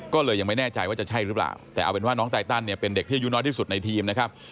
ก็เลยยังไม่แน่ใจว่าจะใช่หรือเปล่าแต่เอาเป็นว่าน้องไตตันเนี่ยเป็นเด็กที่อายุน้อยที่สุดในทีมนะครับ